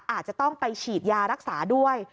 อาจจะต้องไปฉีดยารักษาด้วย